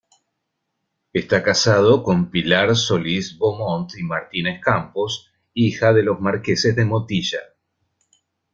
Está casado con Pilar Solís-Beaumont y Martínez-Campos, hija de los marqueses de Motilla.